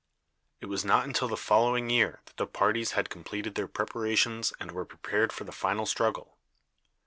It was not until the following year that the parties had completed their preparations and were prepared for the final struggle.